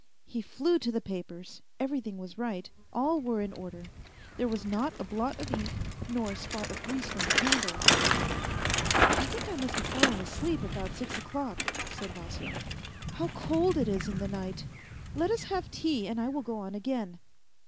..." He flew to the papers everything was right ; all were in order ; there was not a blot of ink, nor spot of grease from the candle on them. " I think I must have fallen asleep about six o'clock," said Vasya. " How cold it is in the night ! Let us have tea, and I will go on again.